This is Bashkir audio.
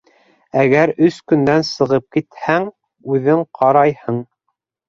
Әгәр өс көндән сығып китһәң, үҙең ҡарайһың.